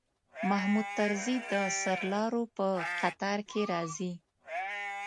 محمود طرزی د سرلارو په قطار کې راځي.